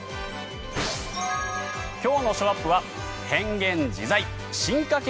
今日のショーアップは変幻自在進化系